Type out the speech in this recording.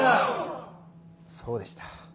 そうでした。